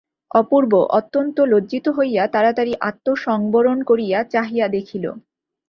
অপূর্ব অত্যন্ত লজ্জিত হইয়া তাড়াতাড়ি আত্মসংবরণ করিয়া চাহিয়া দেখিল।